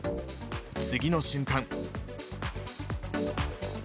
次の瞬間。